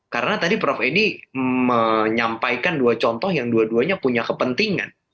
karena tadi prof edi menyampaikan dua contoh yang dua duanya punya kepentingan